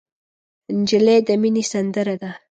نجلۍ د مینې سندره ده.